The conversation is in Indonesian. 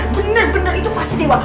bener bener itu pasti dewa